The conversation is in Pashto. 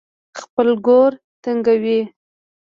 خپل ګور تنګوي.